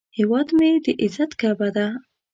هیواد مې د عزت کعبه ده